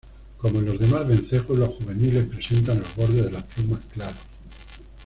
Como en los demás vencejos los juveniles presentan los bordes de las plumas claros.